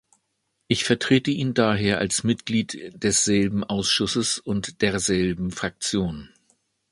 Ich vertrete ihn daher als Mitglied desselben Ausschusses und derselben Fraktion.